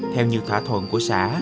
theo như thỏa thuận của xã